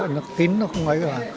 nó kín nó không có gì